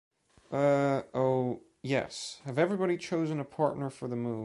Uh, Oh, yes, have everybody chosen a partner for the move?